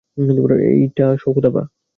এইটা শওকত আপা।